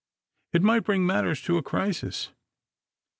It might bring matters to a crisis.